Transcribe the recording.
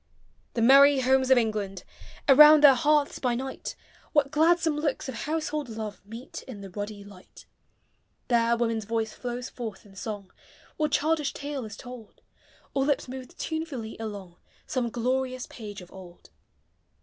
The merry Homes of England ! Around their hearths by night, What gladsome looks of household love Meet in the ruddy light. There woman's voice tiows forth in song, Or childish tale is told ; Or lips move tunefully along Some glorious page of old.